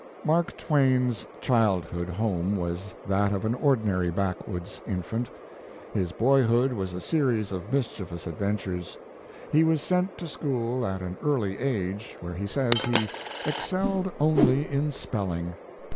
" Mark Twain s childhood home was that of an ordinary backwood s infant. His boyhood was a series of mischievous adventures. He was sent to school at an early age, where he says he "excelled only in spelling.